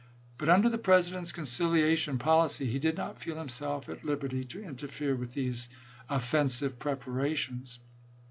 But under the President's conciliation policy he did not feel him self at liberty to interfere with these offensive preparations.